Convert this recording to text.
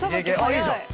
いいじゃん！